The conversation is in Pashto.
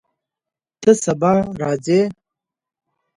ته سبا راځې؟